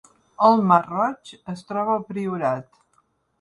El Masroig es troba al Priorat